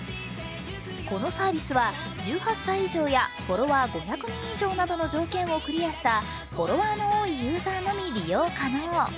このサービスは１８歳以上やフォロワー５００人以上などの条件をクリアしたフォロワーの多いユーザーのみが利用可能。